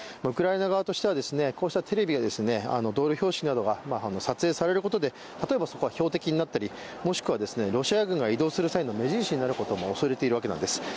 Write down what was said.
ウクライナ側としては、こうしたテレビで、道路標識などが撮影されることで例えば、そこが標的になったり、もしくはロシア軍が移動するときの目印になることも恐れているわけなんです。